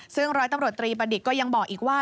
ซึ่งร้อยตำรวจตรีประดิษฐ์ก็ยังบอกอีกว่า